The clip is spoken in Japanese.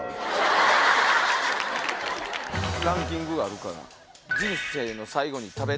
ランキングあるから。